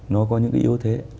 nó có những cái yếu thế